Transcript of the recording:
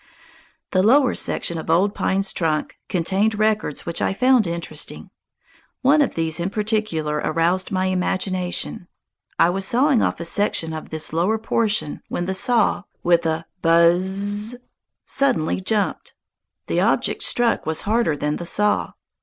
The lower section of Old Pine's trunk contained records which I found interesting. One of these in particular aroused my imagination. I was sawing off a section of this lower portion when the saw, with a buzz z z z, suddenly jumped. The object struck was harder than the saw.